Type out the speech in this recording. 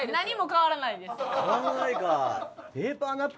変わんないか。